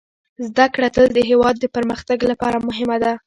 زده کړه تل د هېواد د پرمختګ لپاره مهمه ده.